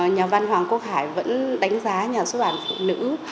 nhà văn hoàng quốc hải vẫn đánh giá nhà xuất bản phụ nữ